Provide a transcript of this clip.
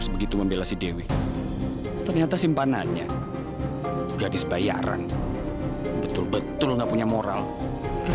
bapak berani bayar dia berapa pak